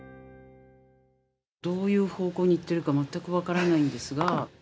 どういう方向に行ってるか全く分からないんですが。